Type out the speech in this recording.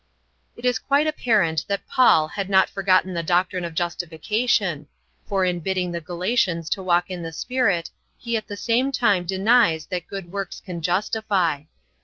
It is quite apparent that Paul had not forgotten the doctrine of justification, for in bidding the Galatians to walk in the Spirit he at the same time denies that good works can justify.